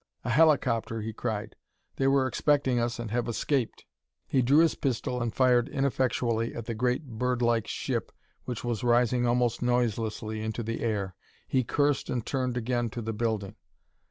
"A helicopter!" he cried. "They were expecting us and have escaped!" He drew his pistol and fired ineffectually at the great bird like ship which was rising almost noiselessly into the air. He cursed and turned again to the building.